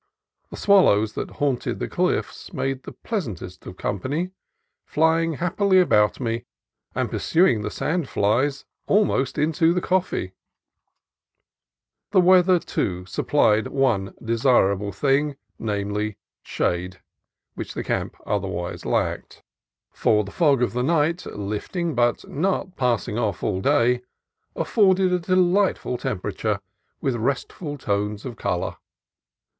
The swallows that haunted the cliffs made the pleas antest of company, flying happily about me, and pursuing the sand flies almost into the coffee. The weather, too, supplied the one desirable thing, namely, shade, which the camp otherwise lacked ; for ii2 CALIFORNIA COAST TRAILS the fog of the night, lifting but not passing off all day, afforded a delightful temperature, with restful tones of color.